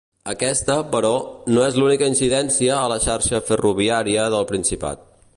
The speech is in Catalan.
Aquesta, però, no és l’única incidència a la xarxa ferroviària del Principat.